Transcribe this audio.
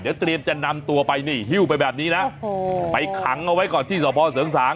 เดี๋ยวเตรียมจะนำตัวไปนี่ฮิ้วไปแบบนี้นะไปขังเอาไว้ก่อนที่สภเสริงสาง